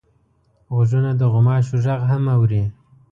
غوږونه د غوماشو غږ هم اوري